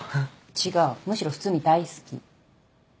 違うむしろ普通に大好き。